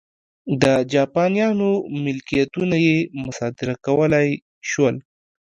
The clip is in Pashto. د جاپانیانو ملکیتونه یې مصادره کولای شول.